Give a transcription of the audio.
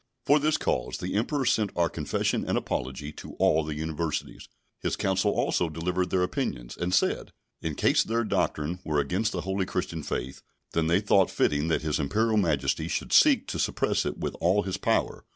For this cause, the Emperor sent our Confession and Apology to all the universities; his council also delivered their opinions, and said: "In case their doctrine were against the holy Christian faith, then they thought fitting that His Imperial Majesty should seek to suppress it with all his power.